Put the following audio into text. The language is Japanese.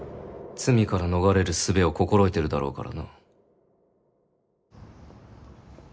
罪から逃れる術を心得てるだろうからな。